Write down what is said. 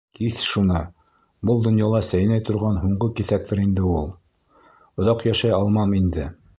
Киҫ шуны, был донъяла сәйнәй торған һуңғы киҫәктер инде ул. Оҙаҡ йәшәй алмам инде.